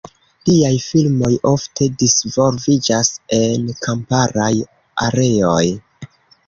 Liaj filmoj ofte disvolviĝas en kamparaj areoj.